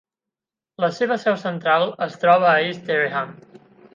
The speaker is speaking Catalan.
La seva seu central es troba a East Dereham.